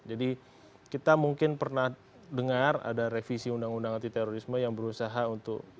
kita mungkin pernah dengar ada revisi undang undang anti terorisme yang berusaha untuk